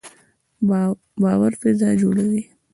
باور فضا جوړوي